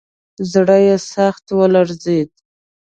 زړه یې سخت ولړزېد.